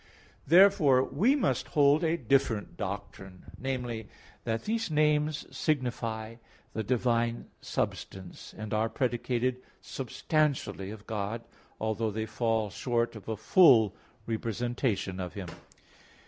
Therefore we must hold a different doctrine viz. that these names signify the divine substance, and are predicated substantially of God, although they fall short of a full representation of Him.